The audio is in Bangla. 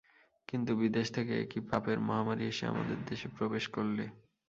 কিন্তু বিদেশ থেকে এ কী পাপের মহামারী এসে আমাদের দেশে প্রবেশ করলে!